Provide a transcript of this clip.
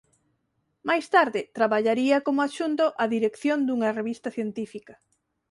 Máis tarde traballaría como adxunto á dirección dunha revista científica.